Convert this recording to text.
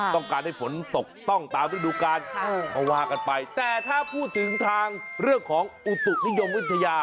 ต้องการให้ฝนตกต้องตามฤดูกาลก็ว่ากันไปแต่ถ้าพูดถึงทางเรื่องของอุตุนิยมวิทยา